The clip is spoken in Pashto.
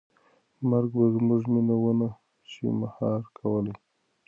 مرګ به زموږ مینه ونه شي مهار کولی.